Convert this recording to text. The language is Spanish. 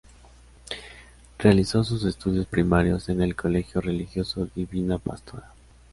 Realizó sus estudios primarios en el colegio religioso Divina Pastora.